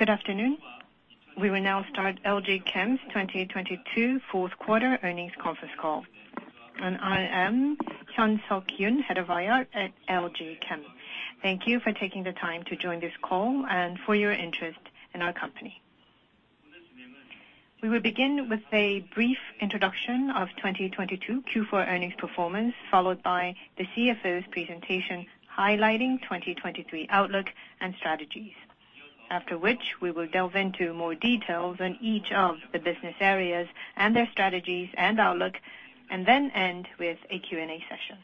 Good afternoon. We will now start LG Chem's 2022 Q4 earnings conference call. I am Hyun-Seok Yoon, head of IR at LG Chem. Thank you for taking the time to join this call and for your interest in our company. We will begin with a brief introduction of 2022 Q4 earnings performance, followed by the CFO's presentation highlighting 2023 outlook and strategies. After which, we will delve into more details on each of the business areas and their strategies and outlook, and then end with a Q&A session.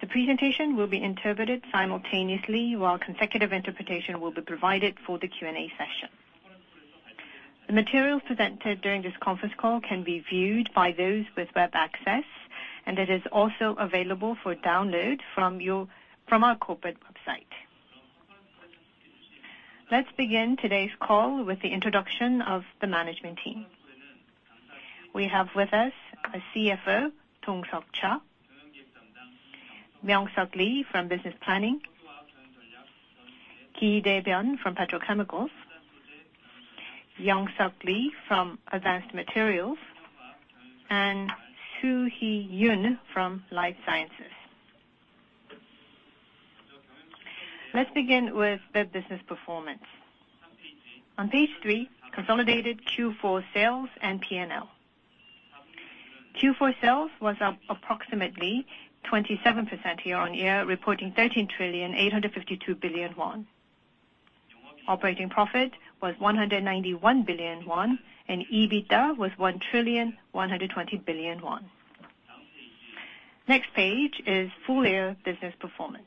The presentation will be interpreted simultaneously, while consecutive interpretation will be provided for the Q&A session. The materials presented during this conference call can be viewed by those with web access, and it is also available for download from our corporate website. Let's begin today's call with the introduction of the management team. We have with us our CFO, Dong-seok Cha, Myeong-seok Lee from Business Planning, Ki-dae Byun from Petrochemicals, Young-suk Lee from Advanced Materials, and Su-hee Yoon from Life Sciences. Let's begin with the business performance. On page three, consolidated Q4 sales and P&L. Q4 sales was up approximately 27% year-on-year, reporting 13,852 billion won. Operating profit was 191 billion won, and EBITDA was 1,120 billion won. Next page is full year business performance.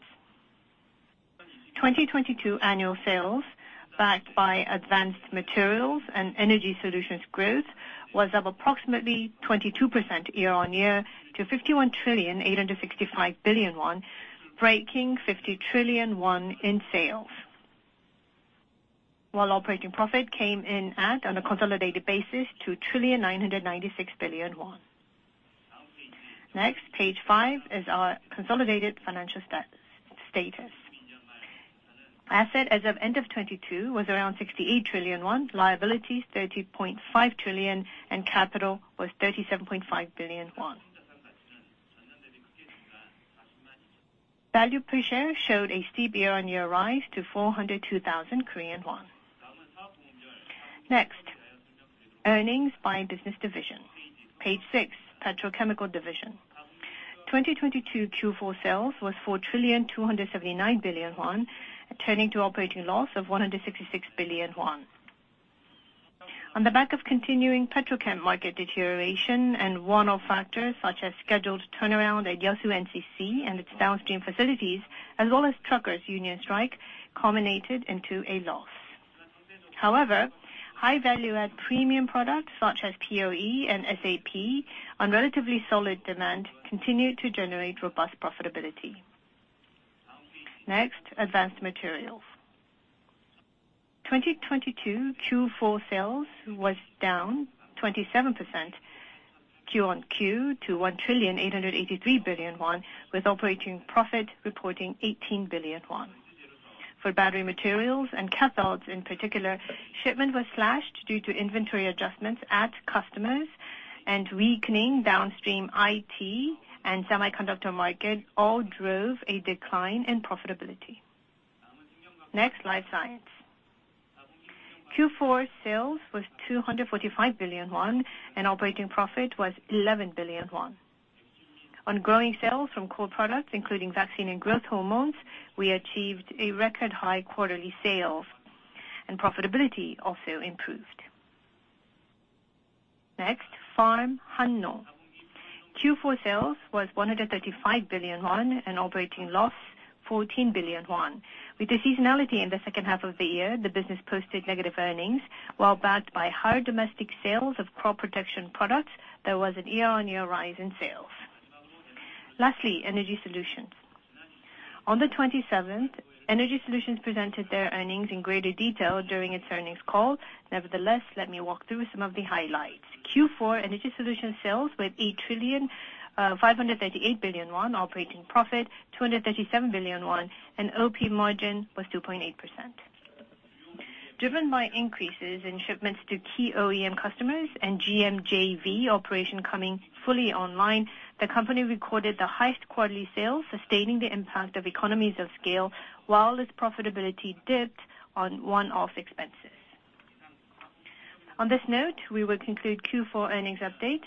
2022 annual sales backed by Advanced Materials and Energy Solutions growth was up approximately 22% year-on-year to 51,865 billion won, breaking 50 trillion won in sales, while operating profit came in at, on a consolidated basis, 2,996 billion won. Next, page five is our consolidated financial status. Asset as of end of 2022 was around 68 trillion won, liabilities 30.5 trillion, and capital was 37.5 billion won. Value per share showed a steep YoY rise to 402,000 Korean won. Next, earnings by business division. Page six, Petrochemical division. 2022 Q4 sales was 4,279 billion won, turning to operating loss of 166 billion won. On the back of continuing Petrochemical market deterioration and one-off factors such as scheduled turnaround at Yeosu NCC and its downstream facilities, as well as truckers union strike, culminated into a loss. However, high value add premium products such as POE and SAP on relatively solid demand continued to generate robust profitability. Next, Advanced Materials. 2022 Q4 sales was down 27% Q on Q to 1,883 billion won, with operating profit reporting 18 billion won. For battery materials and cathodes in particular, shipment was slashed due to inventory adjustments at customers and weakening downstream IT and semiconductor market all drove a decline in profitability. Next, Life Science. Q4 sales was 245 billion won, and operating profit was 11 billion won. On growing sales from core products including vaccine and growth hormones, we achieved a record high quarterly sales, and profitability also improved. Next, FarmHannong. Q4 sales was 135 billion won, and operating loss 14 billion won. With the seasonality in the second half of the year, the business posted negative earnings. While backed by higher domestic sales of crop protection products, there was a YoY rise in sales. Lastly, EnergySolutions. On the 27th, EnergySolutions presented their earnings in greater detail during its earnings call. Nevertheless, let me walk through some of the highlights. Q4 EnergySolution sales with 8 trillion 538 billion, operating profit 237 billion won, and OP margin was 2.8%. Driven by increases in shipments to key OEM customers and GM JV operation coming fully online, the company recorded the highest quarterly sales, sustaining the impact of economies of scale, while its profitability dipped on one-off expenses. On this note, we will conclude Q4 earnings update.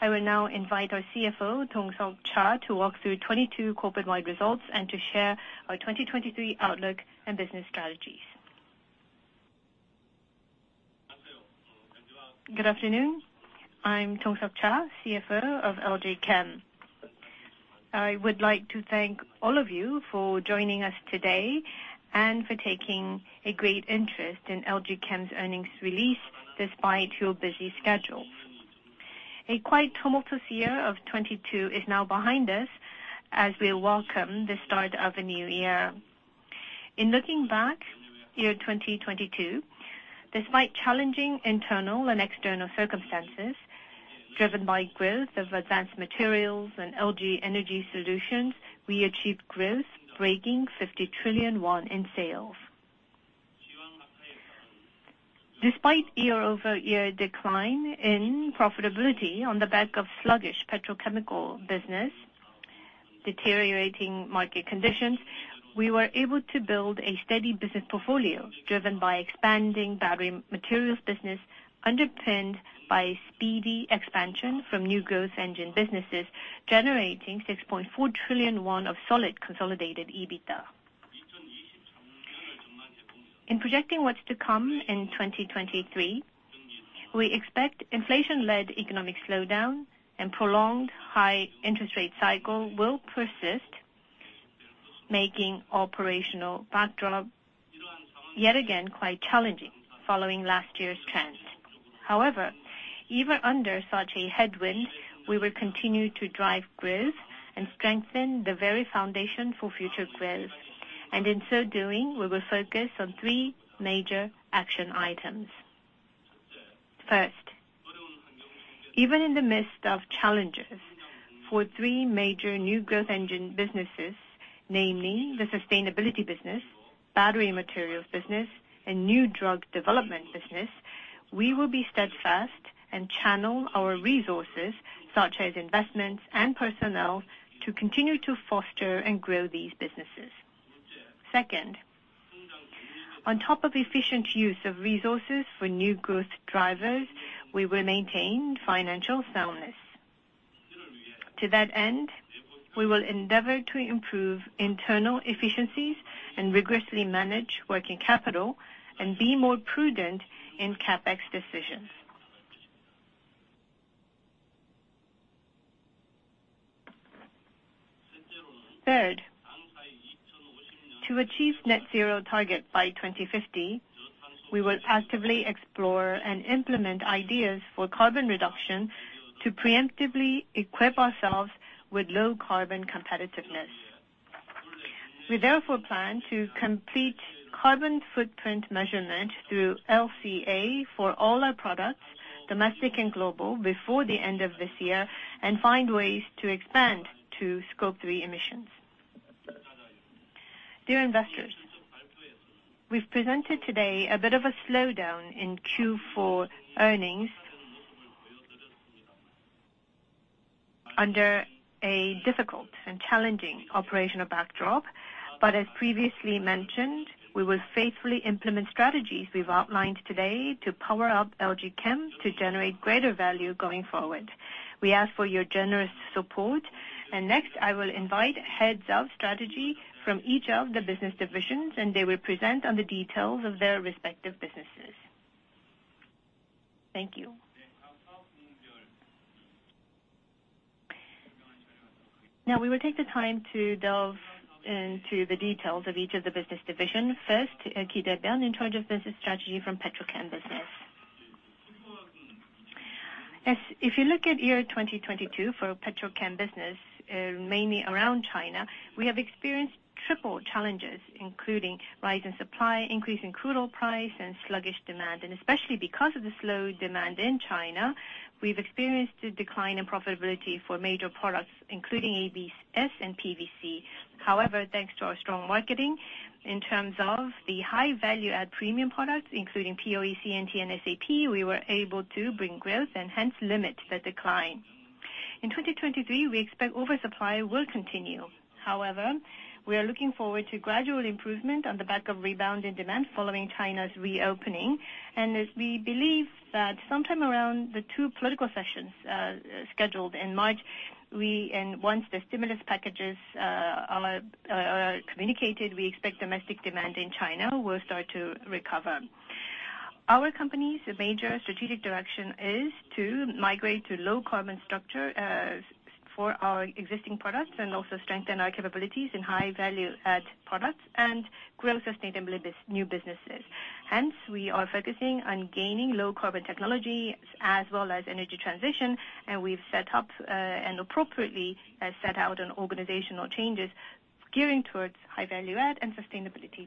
I will now invite our CFO, Dong-seok Cha, to walk through 2022 corporate-wide results and to share our 2023 outlook and business strategies. Good afternoon. I'm Dong-seok Cha, CFO of LG Chem. I would like to thank all of you for joining us today and for taking a great interest in LG Chem's earnings release despite your busy schedules. A quite tumultuous year of 2022 is now behind us as we welcome the start of a new year. In looking back, year 2022, despite challenging internal and external circumstances. Driven by growth of advanced materials and LG Energy Solution, we achieved growth breaking 50 trillion won in sales. Despite year-over-year decline in profitability on the back of sluggish petrochemical business, deteriorating market conditions, we were able to build a steady business portfolio driven by expanding battery materials business, underpinned by speedy expansion from new growth engine businesses, generating 6.4 trillion won of solid consolidated EBITDA. In projecting what's to come in 2023, we expect inflation-led economic slowdown and prolonged high interest rate cycle will persist, making operational backdrop yet again quite challenging following last year's trends. Even under such a headwind, we will continue to drive growth and strengthen the very foundation for future growth. In so doing, we will focus on three major action items. First, even in the midst of challenges for three major new growth engine businesses, namely the sustainability business, battery materials business, and new drug development business, we will be steadfast and channel our resources, such as investments and personnel, to continue to foster and grow these businesses. Second, on top of efficient use of resources for new growth drivers, we will maintain financial soundness. To that end, we will endeavor to improve internal efficiencies and rigorously manage working capital and be more prudent in CapEx decisions. Third, to achieve net zero target by 2050, we will actively explore and implement ideas for carbon reduction to preemptively equip ourselves with low carbon competitiveness. We therefore plan to complete carbon footprint measurement through LCA for all our products, domestic and global, before the end of this year, and find ways to expand to Scope three emissions. Dear investors, we've presented today a bit of a slowdown in Q4 earnings under a difficult and challenging operational backdrop. As previously mentioned, we will faithfully implement strategies we've outlined today to power up LG Chem to generate greater value going forward. We ask for your generous support. Next, I will invite heads of strategy from each of the business divisions, and they will present on the details of their respective businesses. Thank you. Now, we will take the time to delve into the details of each of the business division. First, Ki-dae Byun, in charge of business strategy from Petrochem business. If you look at year 2022 for Petrochem business, mainly around China, we have experienced triple challenges, including rise in supply, increase in crude oil price, and sluggish demand. Especially because of the slow demand in China, we've experienced a decline in profitability for major products, including ABS and PVC. However, thanks to our strong marketing in terms of the high value add premium products, including POE and TNAP, we were able to bring growth and hence limit the decline. In 2023, we expect oversupply will continue. However, we are looking forward to gradual improvement on the back of rebound in demand following China's reopening. As we believe that sometime around the Two Sessions scheduled in March, and once the stimulus packages are communicated, we expect domestic demand in China will start to recover. Our company's major strategic direction is to migrate to low carbon structure for our existing products and also strengthen our capabilities in high value add products and grow sustainability new businesses. We are focusing on gaining low carbon technology as well as energy transition, and we've set up and appropriately set out on organizational changes gearing towards high value add and sustainability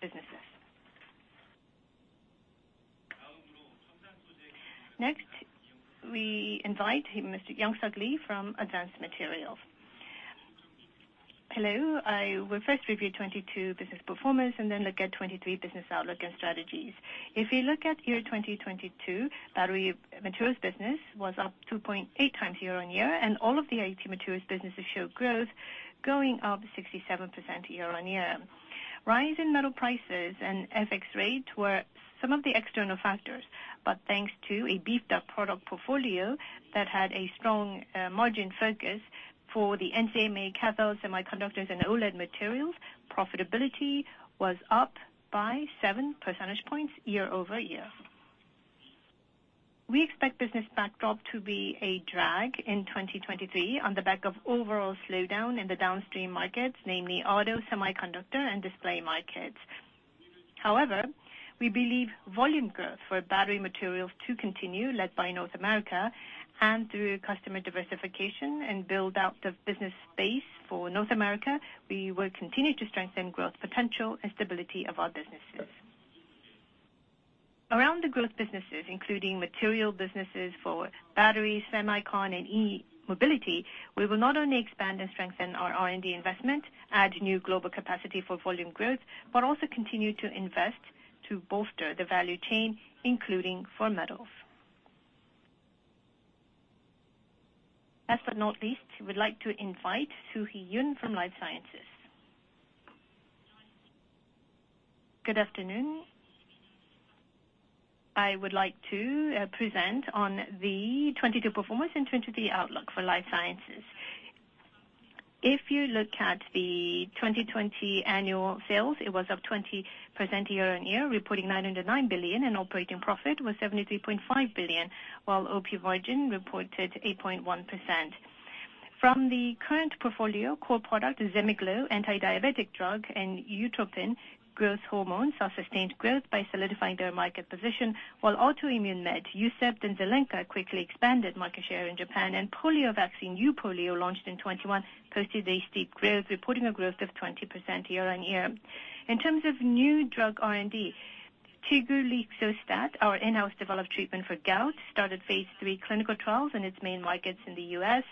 businesses. We invite Mr. Young-suk Lee from Advanced Materials. Hello. I will first review 2022 business performance and then look at 2023 business outlook and strategies. If you look at year 2022, battery materials business was up 2.8x year-on-year. All of the IT materials businesses showed growth, going up 67% year-on-year. Rise in metal prices and FX rates were some of the external factors, but thanks to a beefed up product portfolio that had a strong margin focus for the NCMA cathodes, semiconductors, and OLED materials, profitability was up by seven percentage points year-over-year. We expect business backdrop to be a drag in 2023 on the back of overall slowdown in the downstream markets, namely auto, semiconductor, and display markets. However, we believe volume growth for battery materials to continue, led by North America, and through customer diversification and build out the business space for North America, we will continue to strengthen growth potential and stability of our businesses. Around the growth businesses, including material businesses for batteries, semicon, and e-mobility, we will not only expand and strengthen our R&D investment, add new global capacity for volume growth, but also continue to invest to bolster the value chain, including for metals. Last but not least, we would like to invite Soo-hee Yoon from Life Sciences. Good afternoon. I would like to present on the 2022 performance and 2023 outlook for Life Sciences. If you look at the 2020 annual sales, it was up 20% year-on-year, reporting 909 billion, and operating profit was 73.5 billion, while OP margin reported 8.1%. From the current portfolio, core product, Zemiglo, antidiabetic drug, and Eutropin growth hormones saw sustained growth by solidifying their market position, while autoimmune med, Eucept and Zelenka, quickly expanded market share in Japan, and polio vaccine, Eupolio, launched in 2021, posted a steep growth, reporting a growth of 20% year-on-year. In terms of new drug R&D, Tigulixostat, our in-house developed treatment for gout, started phase III clinical trials in its main markets in the U.S.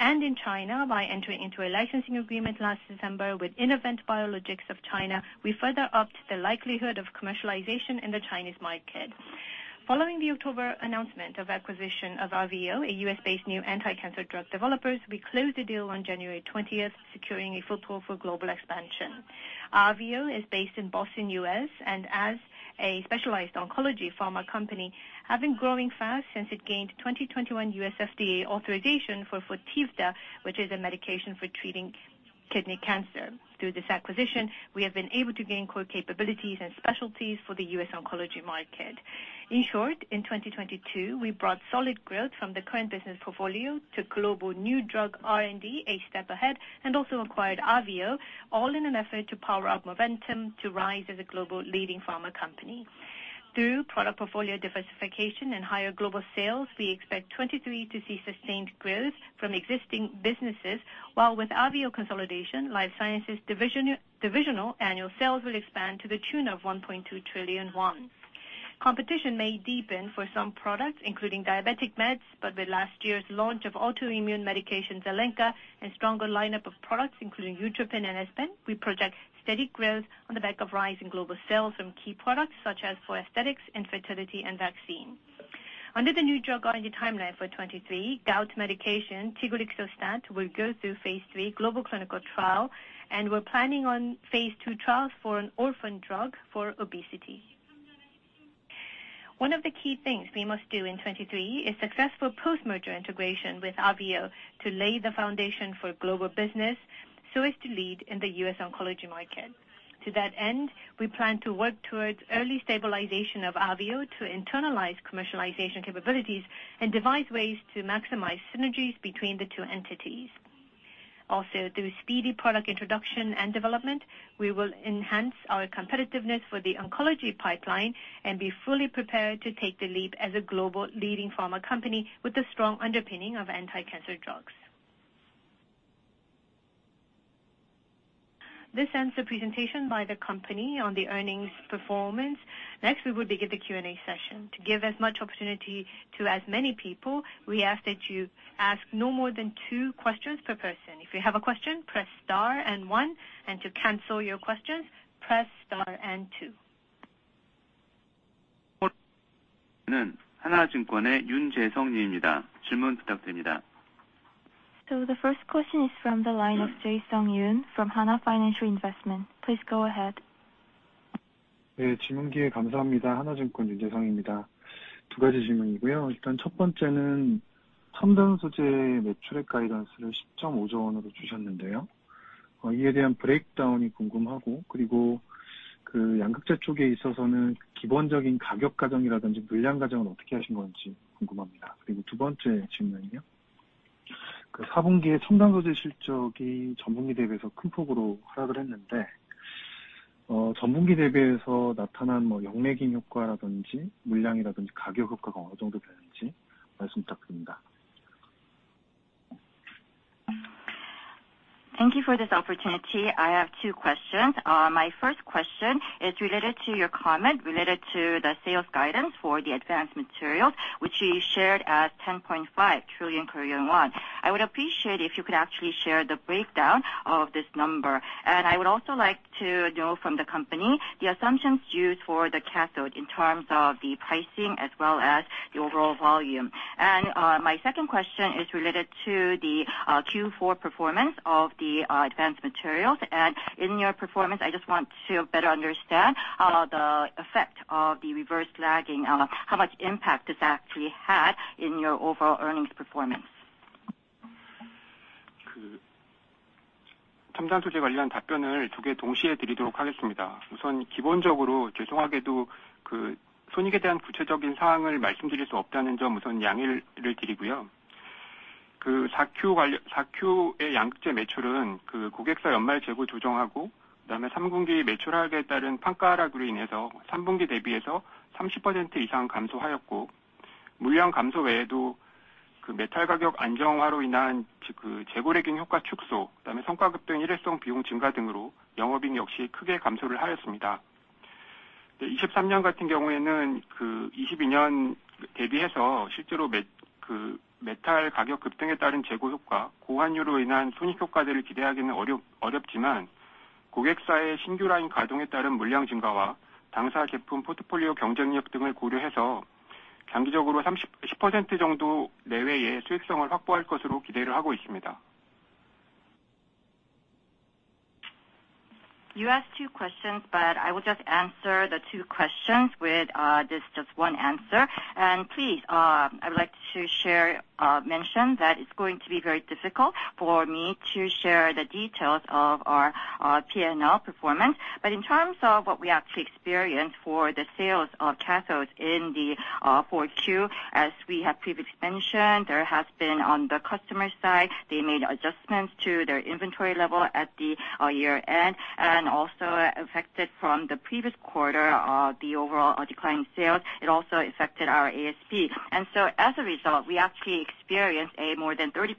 and in China by entering into a licensing agreement last December. With Innovent Biologics of China, we further upped the likelihood of commercialization in the Chinese market. Following the October announcement of acquisition of AVEO, a U.S.-based new anti-cancer drug developers, we closed the deal on January 20th, securing a foothold for global expansion. AVEO is based in Boston, U.S., and as a specialized oncology pharma company, have been growing fast since it gained 2021 U.S. FDA authorization for Fotivda, which is a medication for treating kidney cancer. Through this acquisition, we have been able to gain core capabilities and specialties for the U.S. oncology market. In short, in 2022, we brought solid growth from the current business portfolio to global new drug R&D a step ahead, also acquired AVEO, all in an effort to power up momentum to rise as a global leading pharma company. Through product portfolio diversification and higher global sales, we expect 2023 to see sustained growth from existing businesses, while with AVEO consolidation, Life Sciences division, divisional annual sales will expand to the tune of 1.2 trillion won. Competition may deepen for some products, including diabetic meds, but with last year's launch of autoimmune medication, Zelenka, and stronger lineup of products including Eutropin and Espen, we project steady growth on the back of rising global sales from key products such as for aesthetics and fertility and vaccine. Under the new drug R&D timeline for 2023, gout medication, Tigulixostat, will go through phase III global clinical trial. We're planning on phase II trials for an orphan drug for obesity. One of the key things we must do in 2023 is successful post-merger integration with AVEO to lay the foundation for global business so as to lead in the U.S. oncology market. To that end, we plan to work towards early stabilization of AVEO to internalize commercialization capabilities and devise ways to maximize synergies between the two entities. Through speedy product introduction and development, we will enhance our competitiveness for the oncology pipeline and be fully prepared to take the leap as a global leading pharma company with a strong underpinning of anti-cancer drugs. This ends the presentation by the company on the earnings performance. We will begin the Q&A session. To give as much opportunity to as many people, we ask that you ask no more than two questions per person. If you have a question, press star and one, and to cancel your questions, press star and two. The first question is from the line of Jae-Sung Yoon from Hana Financial Investment. Please go ahead. Thank you for this opportunity. I have two questions. My first question is related to your comment related to the sales guidance for the advanced materials, which you shared as 10.5 trillion Korean won. I would appreciate if you could actually share the breakdown of this number. My second question is related to the Q4 performance of the advanced materials. In your performance, I just want to better understand the effect of the reverse lagging. How much impact this actually had in your overall earnings performance? You asked two questions, but I will just answer the two questions with this just one answer. Please, I would like to share, mention that it's going to be very difficult for me to share the details of our P&L performance. But in terms of what we actually experience for the sales of cathodes in the Q4, as we have previously mentioned, there has been on the customer side, they made adjustments to their inventory level at the year-end and also affected from the previous quarter, the overall declining sales. It also affected our ASP. As a result, we actually experienced a more than 30%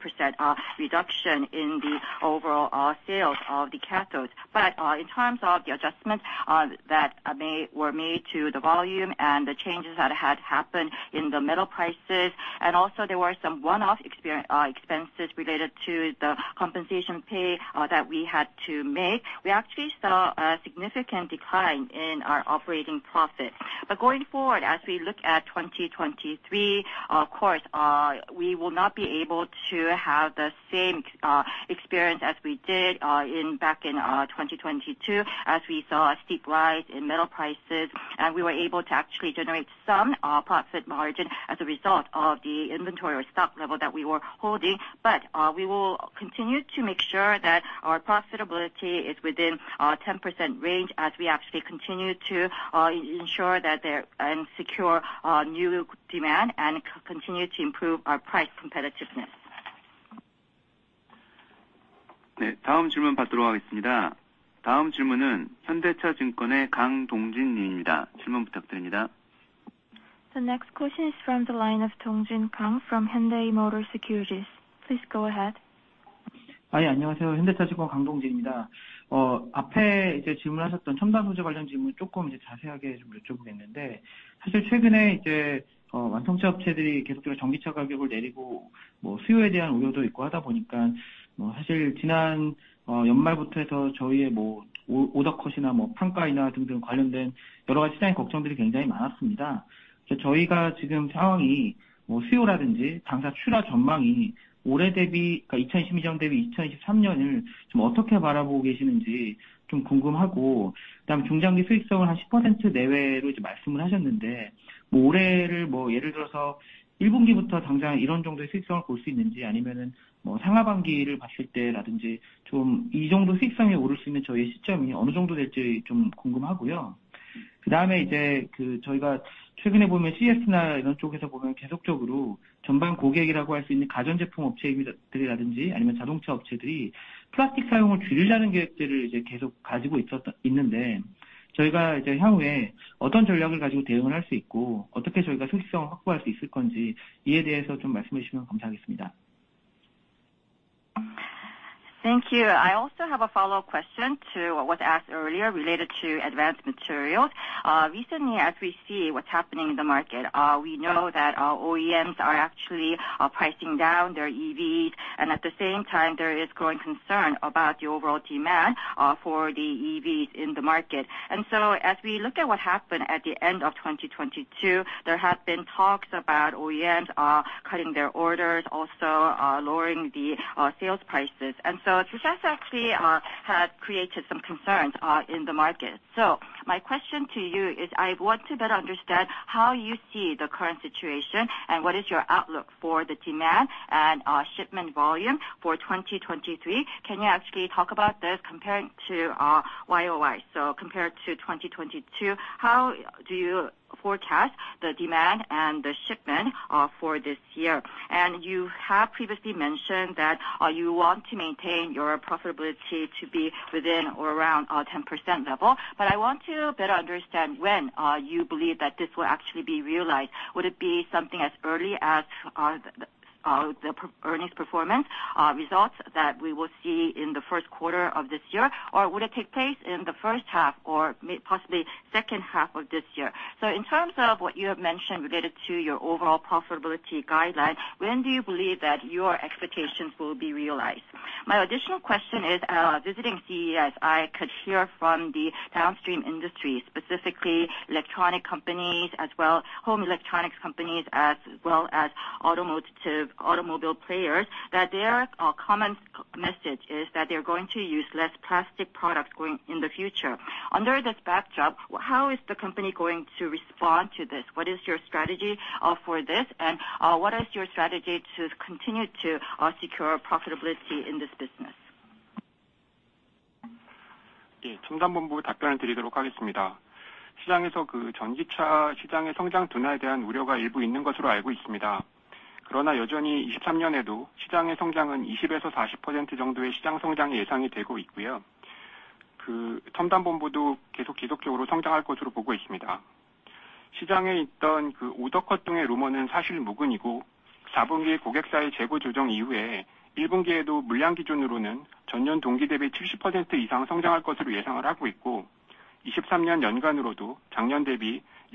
reduction in the overall sales of the cathodes. In terms of the adjustments that were made to the volume and the changes that had happened in the metal prices, and also there were some one-off expenses related to the compensation pay that we had to make. We actually saw a significant decline in our operating profit. Going forward, as we look at 2023, of course, we will not be able to have the same experience as we did in, back in, 2022, as we saw a steep rise in metal prices, and we were able to actually generate some profit margin as a result of the inventory or stock level that we were holding. We will continue to make sure that our profitability is within 10% range as we actually continue to ensure that they're secure new demand and continue to improve our price competitiveness. The next question is from the line of Dong-Jin Kang from Hyundai Motor Securities. Please go ahead. Hi. Thank you. I also have a follow-up question to what was asked earlier related to advanced materials. Recently, as we see what's happening in the market, we know that OEMs are actually pricing down their EVs, and at the same time, there is growing concern about the overall demand for the EVs in the market. As we look at what happened at the end of 2022, there have been talks about OEMs cutting their orders, also lowering the sales prices. This has actually had created some concerns in the market. My question to you is, I want to better understand how you see the current situation and what is your outlook for the demand and shipment volume for 2023. Can you actually talk about this comparing to YoY? Compared to 2022, how do you forecast the demand and the shipment for this year? You have previously mentioned that you want to maintain your profitability to be within or around 10% level. I want to better understand when you believe that this will actually be realized. Would it be something as early as the earnings performance results that we will see in the Q1 of this year? Would it take place in the first half or may possibly second half of this year? In terms of what you have mentioned related to your overall profitability guideline, when do you believe that your expectations will be realized? My additional question is, visiting CES, I could hear from the downstream industry, specifically electronic companies as well, home electronics companies as well as automotive, automobile players, that their common message is that they're going to use less plastic products going in the future. Under this backdrop, how is the company going to respond to this? What is your strategy for this? What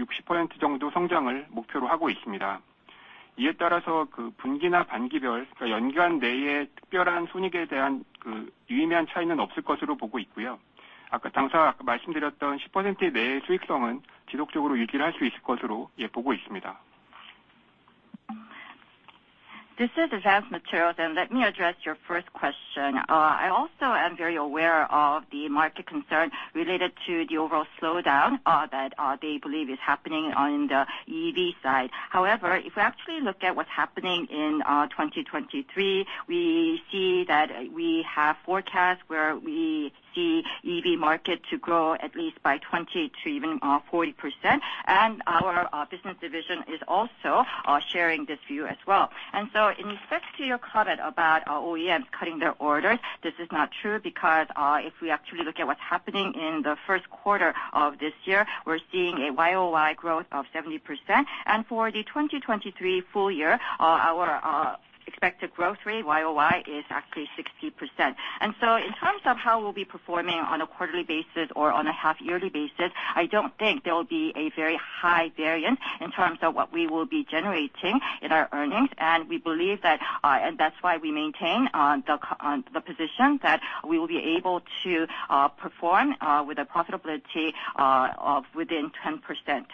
is your strategy to continue to secure profitability in this business? Yeah. This is Advanced Materials, and let me address your first question. I also am very aware of the market concern related to the overall slowdown that they believe is happening on the EV side. However, if we actually look at what's happening in 2023, we see that we have forecasts where we see EV market to grow at least by 20% to even 40%. Our business division is also sharing this view as well. So in respect to your comment about OEMs cutting their orders, this is not true because if we actually look at what's happening in the Q1 of this year, we're seeing a YoY growth of 70%. For the 2023 full year, our expected growth rate YoY is actually 60%. In terms of how we'll be performing on a quarterly basis or on a half yearly basis, I don't think there will be a very high variance in terms of what we will be generating in our earnings. We believe that, and that's why we maintain the position that we will be able to perform with a profitability of within 10%.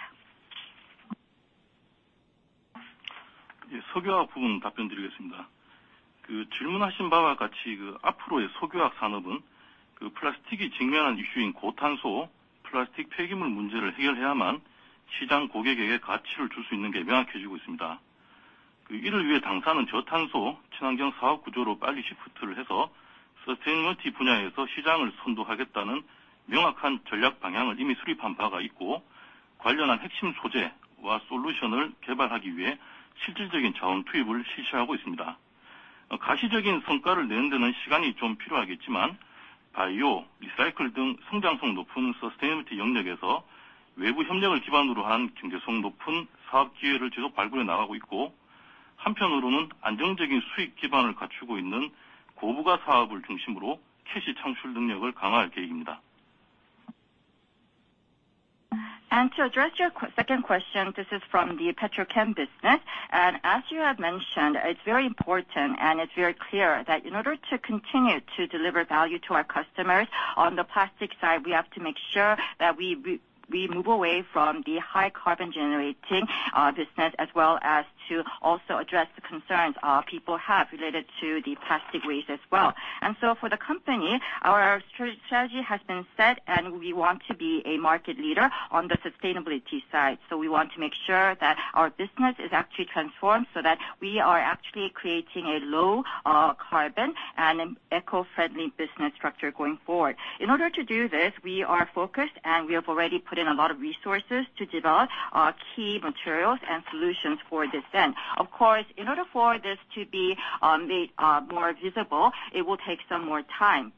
To address your second question, this is from the Petrochem business. As you have mentioned, it's very important and it's very clear that in order to continue to deliver value to our customers on the plastics side, we have to make sure that we move away from the high carbon generating business as well as to also address the concerns people have related to the plastic waste as well. For the company, our strategy has been set, and we want to be a market leader on the sustainability side. We want to make sure that our business is actually transformed so that we are actually creating a low carbon and an eco-friendly business structure going forward. In order to do this, we are focused, and we have already put in a lot of resources to develop key materials and solutions for this end. Of course, in order for this to be made more visible, it will take some more time.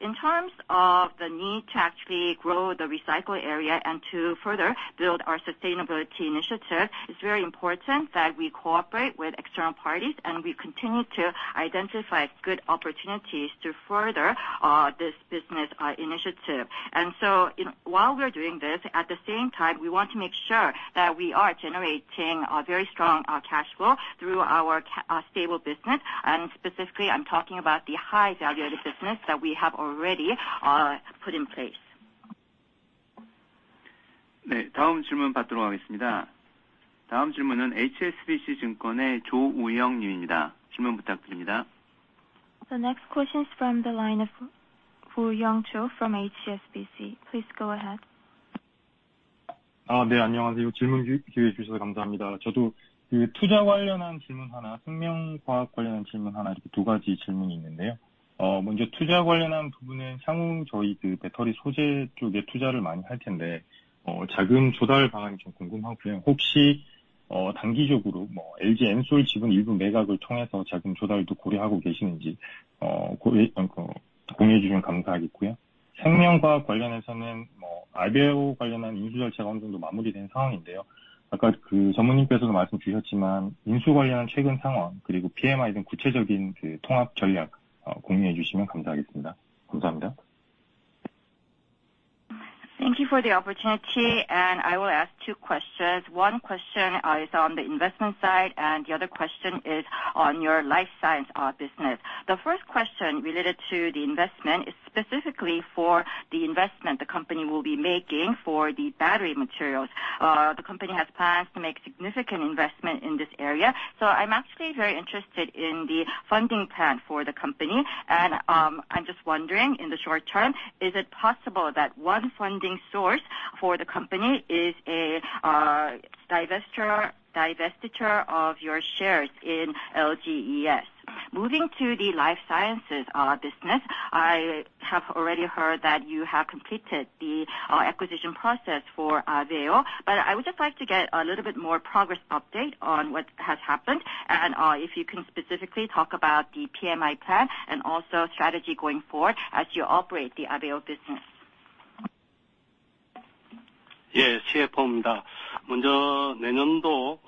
In terms of the need to actually grow the recycle area and to further build our sustainability initiative, it's very important that we cooperate with external parties and we continue to identify good opportunities to further this business initiative. While we are doing this, at the same time, we want to make sure that we are generating a very strong cash flow through our stable business. Specifically, I'm talking about the high value-added business that we have already put in place. The next question is from the line of Wuyong Cho from HSBC. Please go ahead. Uh. Thank you for the opportunity. I will ask two questions. One question is on the investment side, and the other question is on your life science business. The first question related to the investment is specifically for the investment the company will be making for the battery materials. The company has plans to make significant investment in this area. I'm actually very interested in the funding plan for the company. I'm just wondering, in the short term, is it possible that one funding source for the company is a divestiture of your shares in LGES? Moving to the life sciences business, I have already heard that you have completed the acquisition process for AVEO. I would just like to get a little bit more progress update on what has happened and if you can specifically talk about the PMI plan and also strategy going forward as you operate the AVEO business. CFO. 먼저 내년도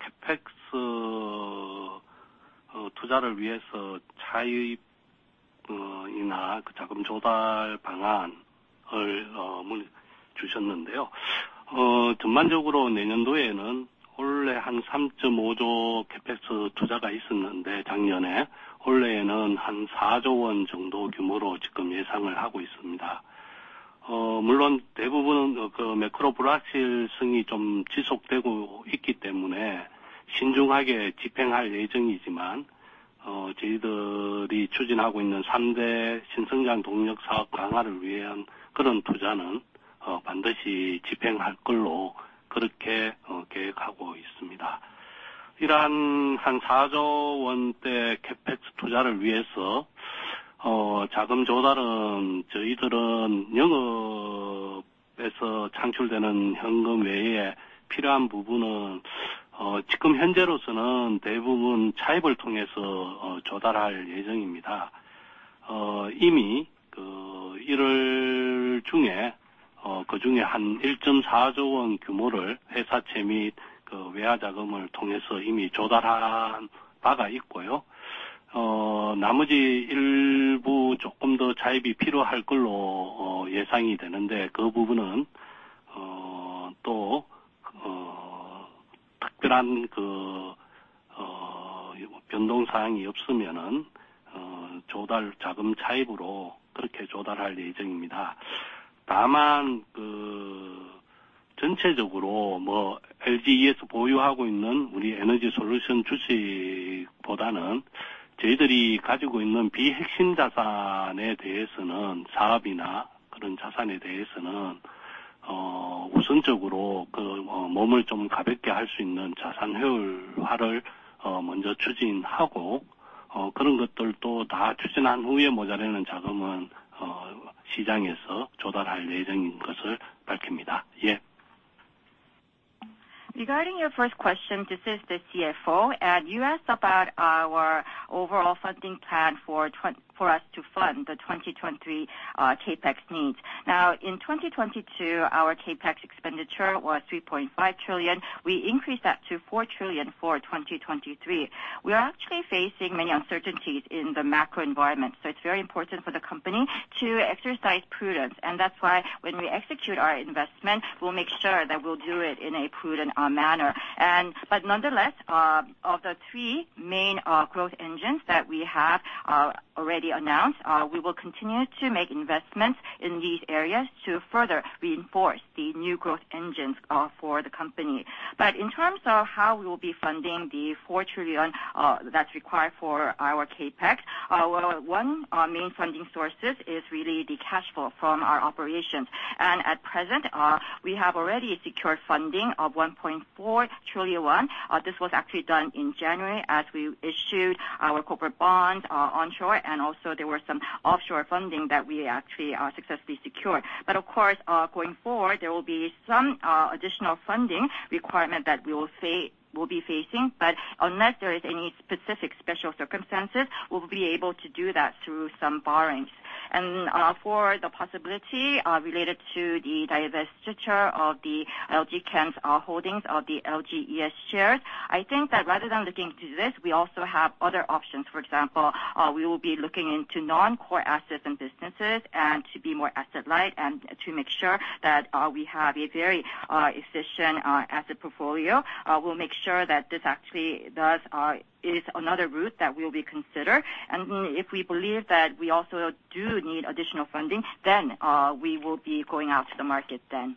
CapEx 투자를 위해서 차입이나 자금 조달 방안을 물어주셨는데요. 전반적으로 내년도에는 올해 한 KRW 3.5 trillion CapEx 투자가 있었는데 작년에, 올해에는 한 4 trillion 정도 규모로 지금 예상을 하고 있습니다. 물론 대부분 매크로 불확실성이 좀 지속되고 있기 때문에 신중하게 집행할 예정이지만, 저희들이 추진하고 있는 3대 신성장 동력 사업 강화를 위한 그런 투자는 반드시 집행할 걸로 그렇게 계획하고 있습니다. 이러한 한 4 trillion-level CapEx 투자를 위해서 자금 조달은 저희들은 영업에서 창출되는 현금 외에 필요한 부분은 지금 현재로서는 대부분 차입을 통해서 조달할 예정입니다. 이미 January 중에 그중에 한 1.4 trillion 규모를 회사채 및 외화 자금을 통해서 이미 조달한 바가 있고요. 나머지 일부 조금 더 차입이 필요할 걸로 예상이 되는데, 그 부분은 또 특별한 변동 사항이 없으면은 조달 자금 차입으로 그렇게 조달할 예정입니다. 다만, 전체적으로 LG에서 보유하고 있는 우리 LG Energy Solution 주식보다는 저희들이 가지고 있는 비핵심 자산에 대해서는 사업이나 그런 자산에 대해서는 우선적으로 몸을 좀 가볍게 할수 있는 자산 효율화를 먼저 추진하고, 그런 것들도 다 추진한 후에 모자라는 자금은 시장에서 조달할 예정인 것을 밝힙니다. Regarding your first question, this is the CFO. You asked about our overall funding plan for us to fund the 2023 CapEx needs. In 2022, our CapEx expenditure was 3.5 trillion. We increased that to 4 trillion for 2023. We are actually facing many uncertainties in the macro environment, so it's very important for the company to exercise prudence. That's why when we execute our investment, we'll make sure that we'll do it in a prudent manner. Nonetheless, of the three main growth engines that we have already announced, we will continue to make investments in these areas to further reinforce the new growth engines for the company. In terms of how we will be funding the 4 trillion that's required for our CapEx, well, one main funding sources is really the cash flow from our operations. At present, we have already secured funding of 1.4 trillion won. This was actually done in January as we issued our corporate bonds onshore, and also there were some offshore funding that we actually successfully secured. Of course, going forward, there will be some additional funding requirement that we will be facing, but unless there is any specific special circumstances, we'll be able to do that through some borrowings. For the possibility related to the divestiture of the LG Chem's holdings of the LGES shares, I think that rather than looking to this, we also have other options. For example, we will be looking into non-core assets and businesses and to be more asset light and to make sure that we have a very efficient asset portfolio. We'll make sure that this actually does is another route that will be considered. If we believe that we also do need additional funding, then we will be going out to the market then.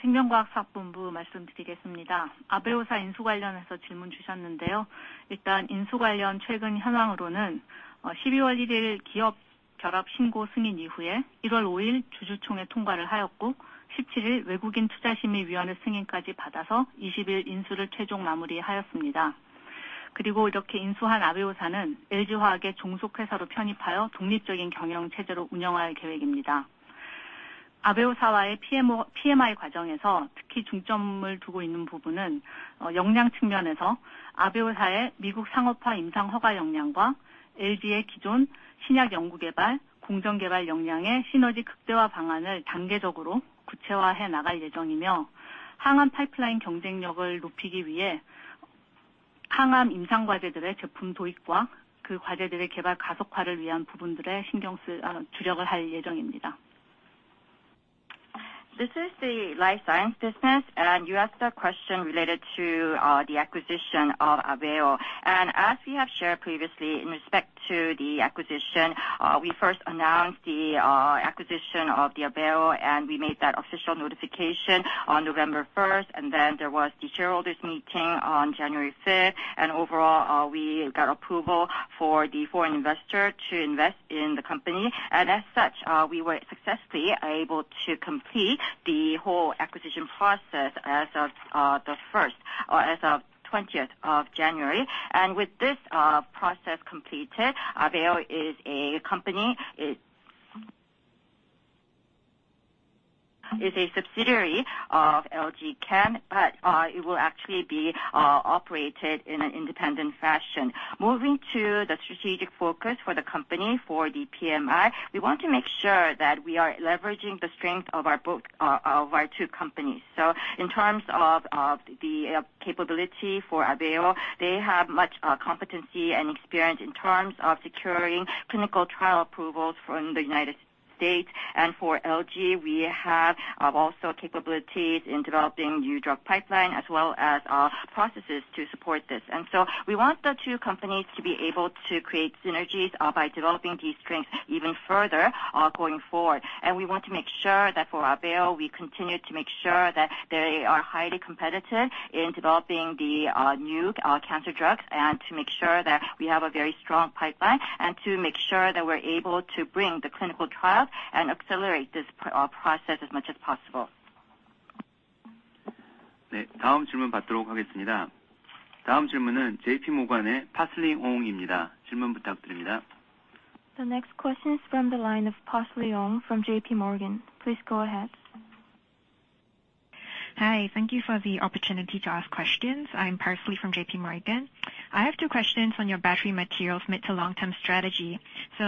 생명과학사업본부 말씀드리겠습니다. AVEO 인수 관련해서 질문 주셨는데요. 인수 관련 최근 현황으로는 December 1 기업 결합 신고 승인 이후에 January 5 주주총회 통과를 하였고, 17 외국인 투자심의위원회 승인까지 받아서 20 인수를 최종 마무리하였습니다. 이렇게 인수한 AVEO는 LG Chem의 종속회사로 편입하여 독립적인 경영 체제로 운영할 계획입니다. AVEO와의 PMI 과정에서 특히 중점을 두고 있는 부분은 역량 측면에서 AVEO의 미국 상업화 임상 허가 역량과 LG Chem의 기존 신약 연구개발, 공정개발 역량의 시너지 극대화 방안을 단계적으로 구체화해 나갈 예정이며, 항암 파이프라인 경쟁력을 높이기 위해 항암 임상 과제들의 제품 도입과 그 과제들의 개발 가속화를 위한 부분들에 신경 쓸 주력을 할 예정입니다. This is the life science business. You asked a question related to the acquisition of AVEO. As we have shared previously, in respect to the acquisition, we first announced the acquisition of AVEO, and we made that official notification on November 1st, and then there was the shareholders meeting on January 5th. Overall, we got approval for the foreign investor to invest in the company. As such, we were successfully able to complete the whole acquisition process as of the 1st or as of 20th of January. With this process completed, AVEO is a company, it is a subsidiary of LG Chem, but it will actually be operated in an independent fashion. Moving to the strategic focus for the company for the PMI, we want to make sure that we are leveraging the strength of our two companies. In terms of the capability for AVEO, they have much competency and experience in terms of securing clinical trial approvals from the United States. For LG, we have also capabilities in developing new drug pipeline as well as processes to support this. We want the two companies to be able to create synergies by developing these strengths even further going forward. We want to make sure that for AVEO, we continue to make sure that they are highly competitive in developing the new cancer drugs, and to make sure that we have a very strong pipeline, and to make sure that we're able to bring the clinical trial and accelerate this process as much as possible. The next question is from the line of Jong Jin Park from JPMorgan. Please go ahead. Hi, thank you for the opportunity to ask questions. I'm Jong Jin Park from JPMorgan. I have two questions on your battery materials mid to long-term strategy. The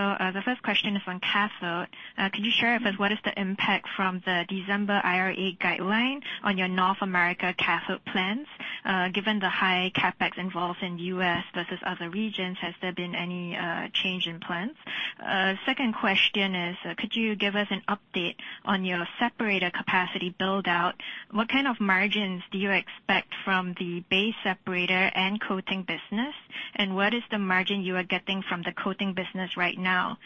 1st question is on cathode. Could you share with us what is the impact from the December IRA guideline on your North America cathode plans? Given the high CapEx involved in U.S. versus other regions, has there been any change in plans? second question is, could you give us an update on your separator capacity build-out? What kind of margins do you expect from the base separator and coating business? What is the margin you are getting from the coating business right now?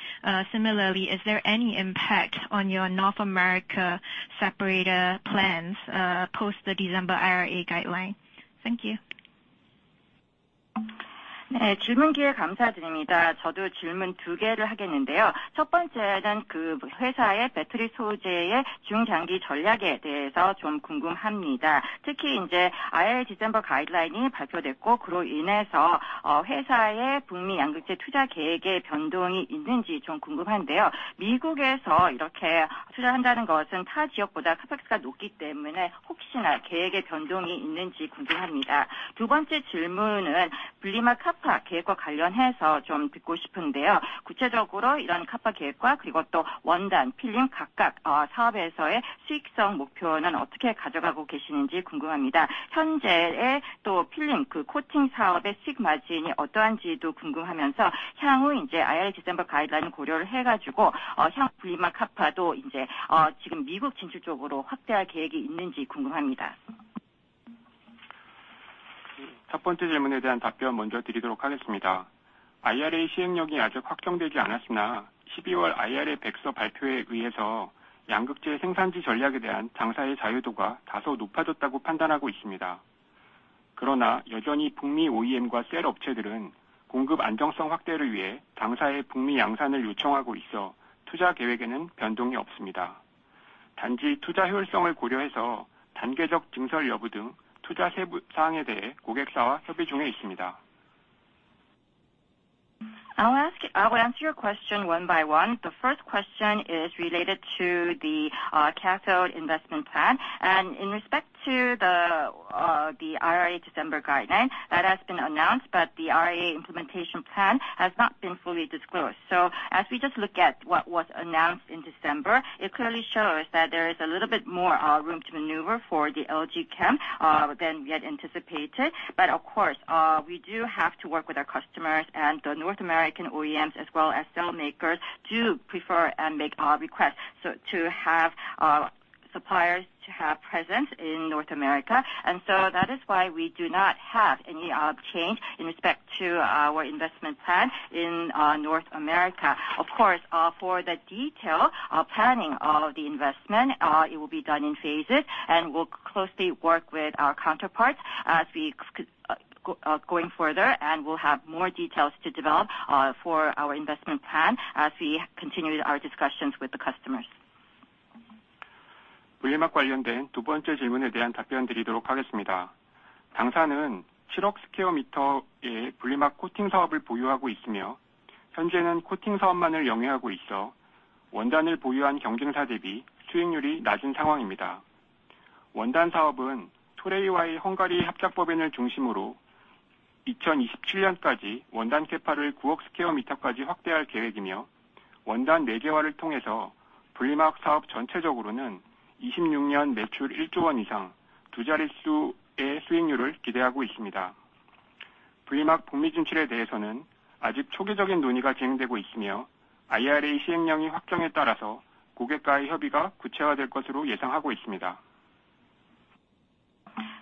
Similarly, is there any impact on your North America separator plans, post the December IRA guideline? Thank you. I will answer your question one by one. The first question is related to the cathode investment plan. In respect to the IRA December guideline, that has been announced, but the IRA implementation plan has not been fully disclosed. As we just look at what was announced in December, it clearly shows that there is a little bit more room to maneuver for LG Chem than we had anticipated. Of course, we do have to work with our customers and the North American OEMs as well as cell makers do prefer and make requests so to have suppliers to have presence in North America. That is why we do not have any change in respect to our investment plan in North America. Of course, for the detail planning of the investment, it will be done in phases, and we'll closely work with our counterparts as we go further, and we'll have more details to develop for our investment plan as we continue our discussions with the customers.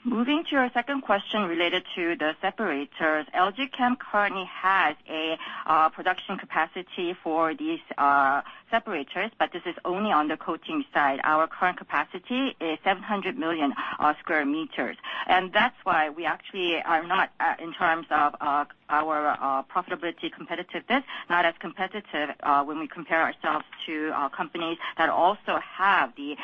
Moving to your second question related to the separators, LG Chem currently has a production capacity for these separators, but this is only on the coating side. Our current capacity is 700 million square meters. That's why we actually are not, in terms of our profitability competitiveness, not as competitive when we compare ourselves to companies that also have the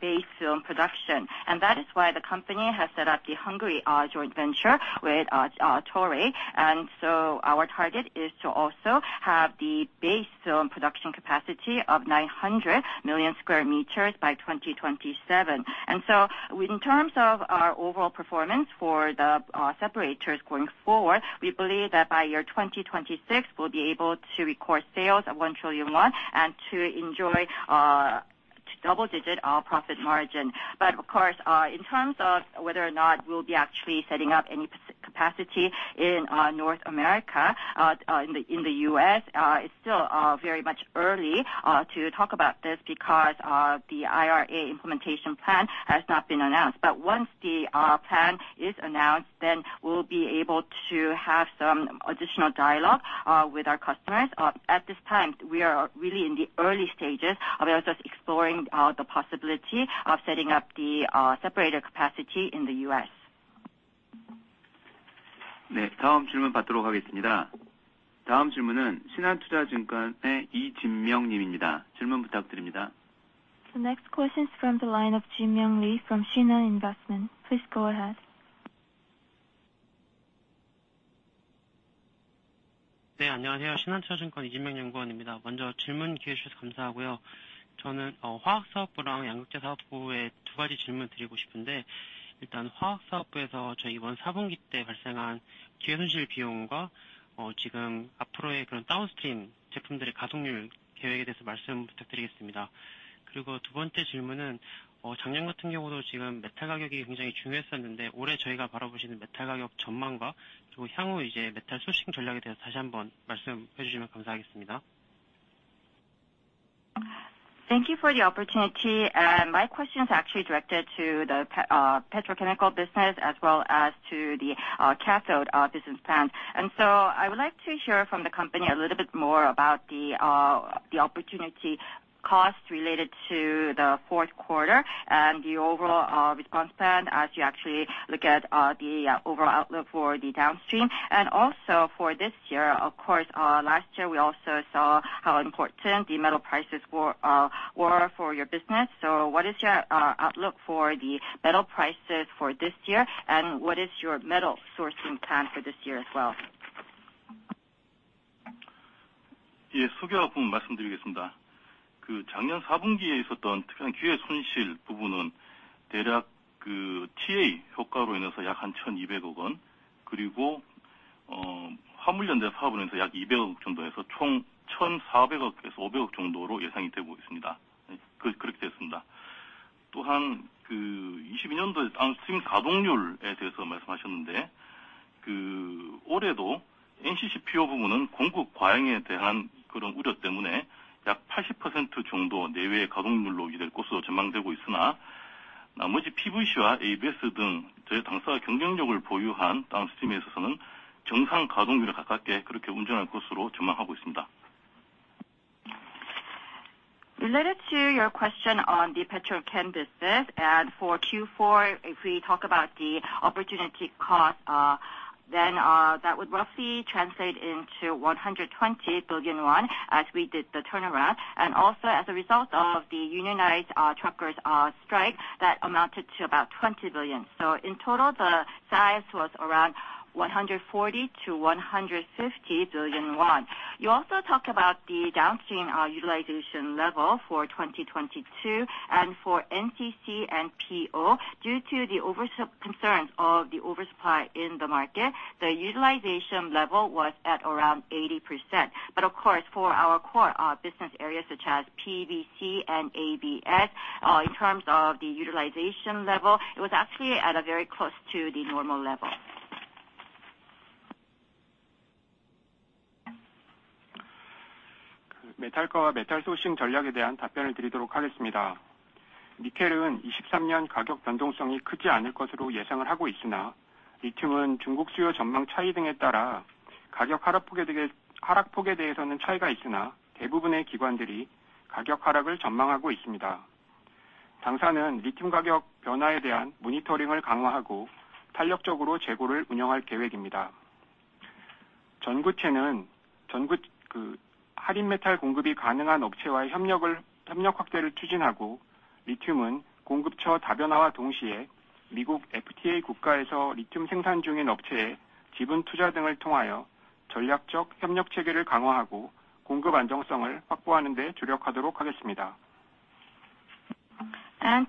base film production. That is why the company has set up the Hungary joint venture with Toray. Our target is to also have the base film production capacity of 900 million square meters by 2027. In terms of our overall performance for the separators going forward, we believe that by year 2026 we'll be able to record sales of 1 trillion won and to enjoy double-digit profit margin. Of course, in terms of whether or not we'll be actually setting up any capacity in North America, in the U.S., it's still very much early to talk about this because the IRA implementation plan has not been announced. Once the plan is announced, then we'll be able to have some additional dialogue with our customers. At this time, we are really in the early stages of just exploring, the possibility of setting up the, separator capacity in the U.S. The next question is from the line of Jin Myung Lee from Shinhan Investment. Please go ahead. Thank you for the opportunity. My question is actually directed to the petrochemical business as well as to the cathode business plan. I would like to hear from the company a little bit more about the opportunity costs related to the fourth quarter and the overall response plan as you actually look at the overall outlook for the downstream. Also for this year, of course, last year, we also saw how important the metal prices were for your business. What is your outlook for the metal prices for this year? What is your metal sourcing plan for this year as well? Related to your question on the petrochem business and for Q4, if we talk about the opportunity cost, that would roughly translate into 120 billion won as we did the turnaround. As a result of the unionized truckers strike that amounted to about 20 billion. In total, the size was around 140 billion-150 billion won. You also talked about the downstream utilization level for 2022. For NCC and PO, due to the concerns of the oversupply in the market, the utilization level was at around 80%. Of course, for our core business areas such as PVC and ABS, in terms of the utilization level, it was actually at a very close to the normal level.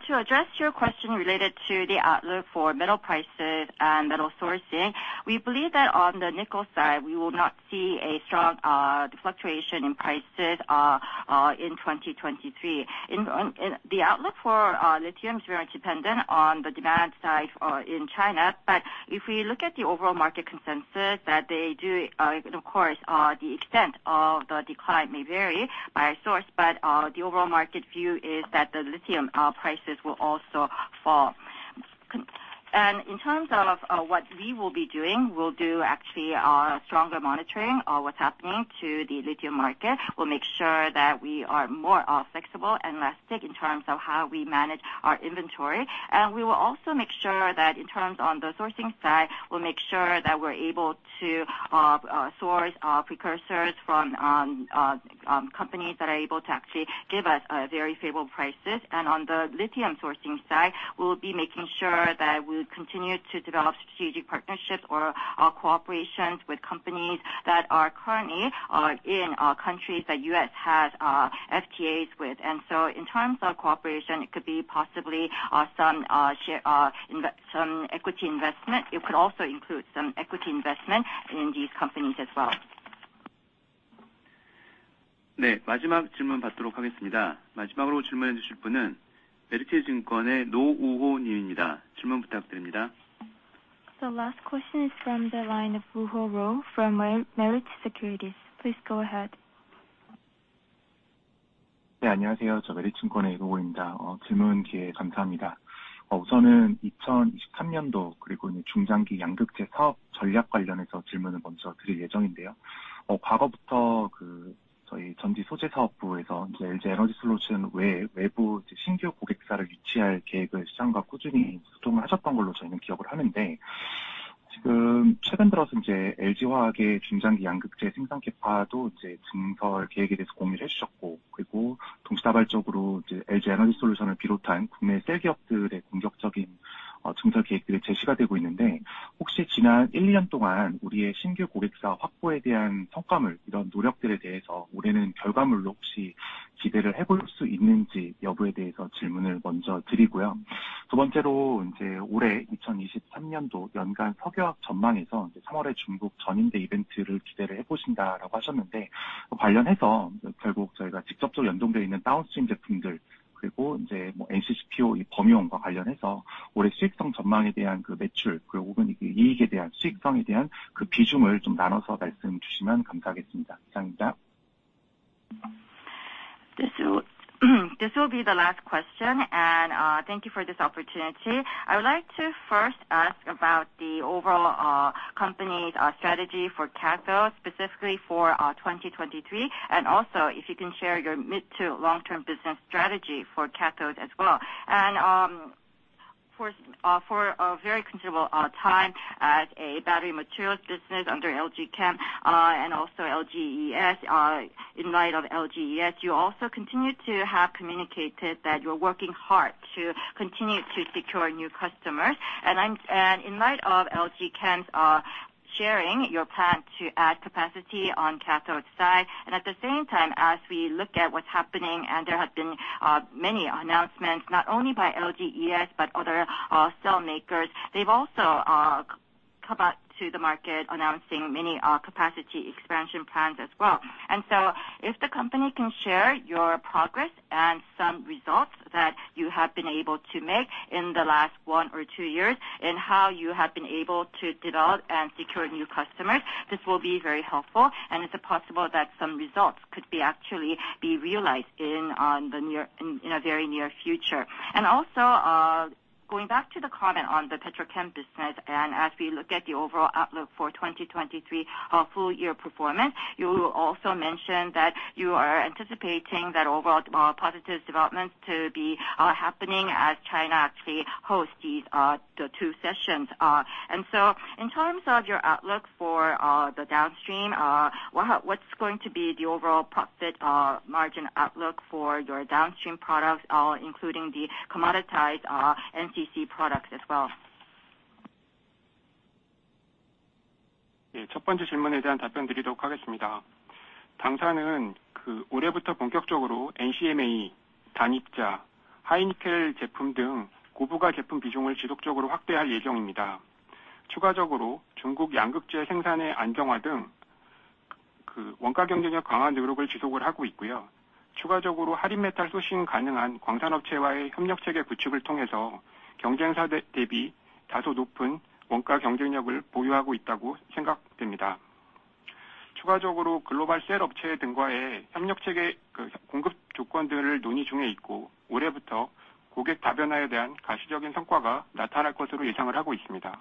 To address your question related to the outlook for metal prices and metal sourcing, we believe that on the nickel side, we will not see a strong fluctuation in prices in 2023. In the outlook for lithium is very much dependent on the demand side in China. If we look at the overall market consensus that they do, of course, the extent of the decline may vary by source, but the overall market view is that the lithium prices will also fall. In terms of what we will be doing, we'll do actually stronger monitoring of what's happening to the lithium market. We'll make sure that we are more flexible and elastic in terms of how we manage our inventory. We will also make sure that in terms on the sourcing side, we'll make sure that we're able to source precursors from companies that are able to actually give us very favorable prices. On the lithium sourcing side, we'll be making sure that we continue to develop strategic partnerships or cooperations with companies that are currently in countries that U.S. has FTAs with. In terms of cooperation, it could be possibly some equity investment. It could also include some equity investment in these companies as well. 네, 마지막 질문 받도록 하겠습니다. 마지막으로 질문해 주실 분은 메리츠증권의 노우호 님입니다. 질문 부탁드립니다. The last question is from the line of Roh Woo-ho from Meritz Securities. Please go ahead. 네, 안녕하세요. 저 Meritz Securities의 Roh Woo-ho입니다. 질문 기회 감사합니다. 우선은 2023년도 그리고 이제 중장기 양극재 사업 전략 관련해서 질문을 먼저 드릴 예정인데요. 과거부터 그 저희 전지 소재 사업부에서 이제 LG Energy Solution 외 외부 이제 신규 고객사를 유치할 계획을 시장과 꾸준히 소통을 하셨던 걸로 저희는 기억을 하는데 지금 최근 들어서 이제 LG Chem의 중장기 양극재 생산 계파도 이제 증설 계획에 대해서 공유를 해 주셨고, 그리고 동시다발적으로 이제 LG Energy Solution을 비롯한 국내 셀 기업들의 공격적인 증설 계획들이 제시가 되고 있는데 혹시 지난 1, 2년 동안 우리의 신규 고객사 확보에 대한 성과물, 이런 노력들에 대해서 올해는 결과물로 혹시 기대를 해볼 수 있는지 여부에 대해서 질문을 먼저 드리고요. 두 번째로 이제 올해 2023 연간 석유화학 전망에서 이제 March에 중국 Two Sessions 이벤트를 기대를 해 보신다라고 하셨는데 관련해서 결국 저희가 직접적으로 연동돼 있는 다운스트림 제품들 그리고 이제 뭐 NCC/PO의 범위원과 관련해서 올해 수익성 전망에 대한 그 매출 그리고 혹은 이익에 대한, 수익성에 대한 그 비중을 좀 나눠서 말씀해 주시면 감사하겠습니다. 시장입니다. This will be the last question. Thank you for this opportunity. I would like to first ask about the overall company's strategy for cathodes, specifically for 2023. Also if you can share your mid to long term business strategy for cathodes as well. For very considerable time as a battery materials business under LG Chem, and also LGES, in light of LGES, you also continue to have communicated that you are working hard to continue to secure new customers. In light of LG Chem's sharing your plan to add capacity on cathode side, at the same time, as we look at what's happening and there have been many announcements not only by LGES but other cell makers, they've also come out to the market announcing many capacity expansion plans as well. If the company can share your progress and some results that you have been able to make in the last one or two years, and how you have been able to develop and secure new customers, this will be very helpful. Is it possible that some results could be actually be realized in a very near future? Going back to the comment on the Petrochem business, and as we look at the overall outlook for 2023 full year performance, you also mentioned that you are anticipating that overall positive developments to be happening as China actually hosts these the Two Sessions. In terms of your outlook for the downstream, what's going to be the overall profit margin outlook for your downstream products, including the commoditized NCC products as well? 예, 첫 번째 질문에 대한 답변드리도록 하겠습니다. 당사는 그 올해부터 본격적으로 NCMA, 단입자, 하이 니켈 제품 등 고부하 제품 비중을 지속적으로 확대할 예정입니다. 추가적으로 중국 양극재 생산의 안정화 등그 원가 경쟁력 강화 노력을 지속을 하고 있고요. 추가적으로 할인 메탈 소싱 가능한 광산업체와의 협력체계 구축을 통해서 경쟁사대-대비 다소 높은 원가 경쟁력을 보유하고 있다고 생각됩니다. 추가적으로 글로벌 셀 업체 등과의 협력체계 그 공급 조건들을 논의 중에 있고, 올해부터 고객 다변화에 대한 가시적인 성과가 나타날 것으로 예상을 하고 있습니다.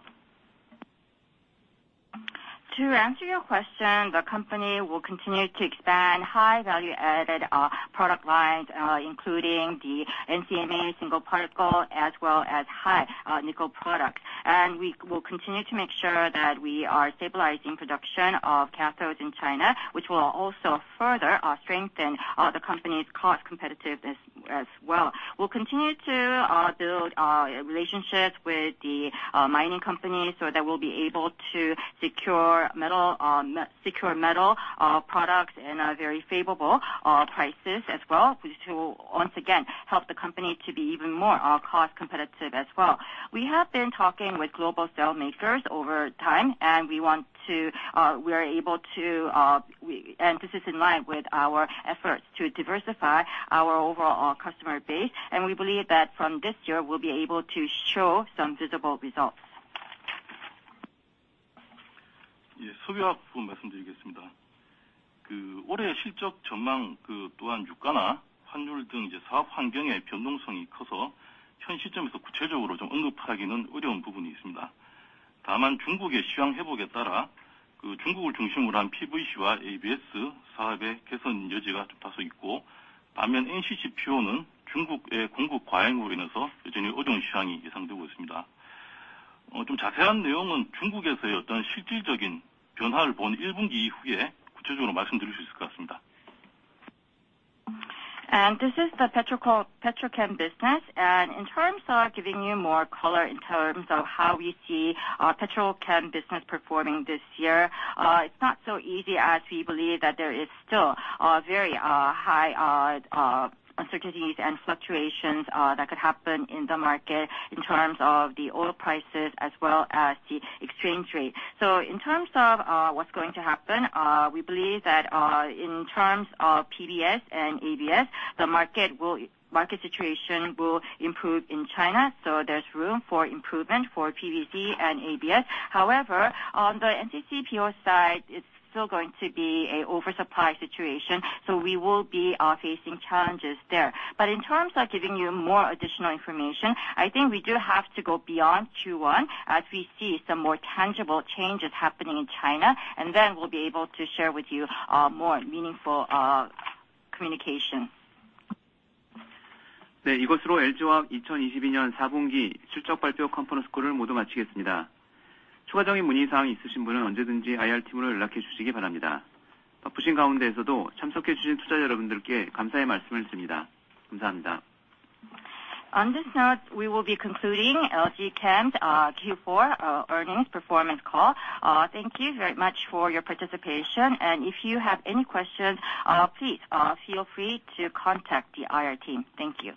To answer your question, the company will continue to expand high value added product lines, including the NCMA single particle as well as high nickel products. We will continue to make sure that we are stabilizing production of cathodes in China, which will also further strengthen the company's cost competitiveness as well. We'll continue to build relationships with the mining companies so that we'll be able to secure metal, secure metal products in very favorable prices as well, which will once again help the company to be even more cost competitive as well. We have been talking with global cell makers over time, and we want to, we are able to, and this is in line with our efforts to diversify our overall customer base. We believe that from this year we'll be able to show some visible results. 예, 석유화학 부분 말씀드리겠습니다. 그 올해 실적 전망, 그 또한 유가나 환율 등 이제 사업 환경의 변동성이 커서 현 시점에서 구체적으로 좀 언급하기는 어려운 부분이 있습니다. 다만 중국의 시황 회복에 따라 그 중국을 중심으로 한 PVC와 ABS 사업의 개선 여지가 다소 있고, 반면 NCCPO는 중국의 공급 과잉으로 인해서 여전히 어려운 시황이 예상되고 있습니다. 어, 좀 자세한 내용은 중국에서의 어떤 실질적인 변화를 본 일분기 이후에 구체적으로 말씀드릴 수 있을 것 같습니다. This is the Petrochem business. In terms of giving you more color in terms of how we see Petrochem business performing this year, it's not so easy as we believe that there is still very high uncertainties and fluctuations that could happen in the market in terms of the oil prices as well as the exchange rate. In terms of what's going to happen, we believe that in terms of PBS and ABS, the market situation will improve in China. There's room for improvement for PVC and ABS. However, on the NCC/PO side, it's still going to be a oversupply situation, so we will be facing challenges there. In terms of giving you more additional information, I think we do have to go beyond Q1 as we see some more tangible changes happening in China, and then we'll be able to share with you, more meaningful, communication. 네, 이것으로 LG화학 2022년 4분기 실적발표 컨퍼런스 콜을 모두 마치겠습니다. 추가적인 문의사항이 있으신 분은 언제든지 IR팀으로 연락해 주시기 바랍니다. 바쁘신 가운데에서도 참석해 주신 투자자 여러분들께 감사의 말씀을 드립니다. 감사합니다. On this note, we will be concluding LG Chem's Q4 earnings performance call. Thank you very much for your participation. If you have any questions, please feel free to contact the IR team. Thank you.